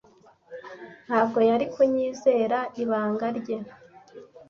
Ntabwo yari kunyizera ibanga rye.